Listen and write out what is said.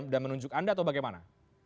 dan menunjukkan anda atau bagaimana